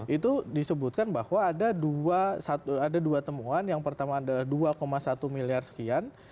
itu disebutkan bahwa ada dua temuan yang pertama adalah dua satu miliar sekian